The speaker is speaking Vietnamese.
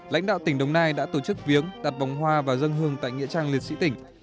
lãnh đạo tỉnh đồng nai đã tổ chức viếng đặt bóng hoa và dân hương tại nghĩa trang liệt sĩ tỉnh